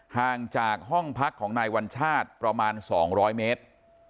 ห่างจากห้องพักของนายวัญชาติประมาณ๒๐๐เมตร